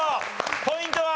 ポイントは？